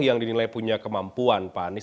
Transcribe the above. yang dinilai punya kemampuan pak anies